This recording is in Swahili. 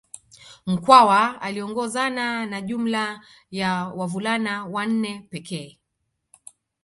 Mkwawa aliongozana na jumla ya wavulana wanne pekee